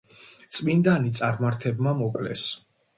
წმინდანი წარმართებმა მოკლეს.